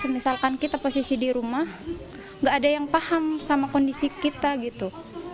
misalkan kita posisi di rumah nggak ada yang paham sama kondisi kita gitu